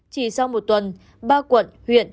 chỉ sau một tuần ba quận huyện